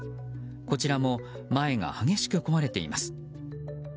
こちらも前が激しく壊れています。